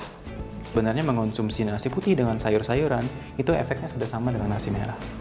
sehingga bagi saya kalau saya mengonsumsi nasi putih dengan sayur sayuran itu efeknya sudah sama dengan nasi merah